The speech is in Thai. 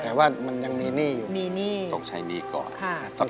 แต่ว่ามันยังมีหนี้อยู่ตรงใช้หนี้ก่อน